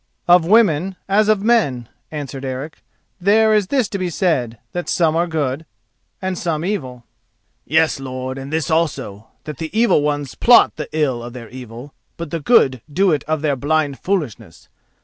"Of women, as of men," answered Eric, "there is this to be said, that some are good and some evil." "Yes, lord, and this also, that the evil ones plot the ill of their evil, but the good do it of their blind foolishness.